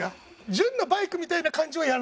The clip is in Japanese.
潤のバイクみたいな感じは嫌なのよ。